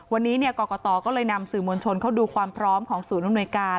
วันนี้กรกตก็เลยนำสื่อมวลชนเข้าดูความพร้อมของศูนย์อำนวยการ